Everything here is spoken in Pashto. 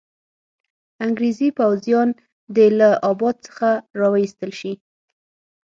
انګریزي پوځیان دي له اله اباد څخه را وایستل شي.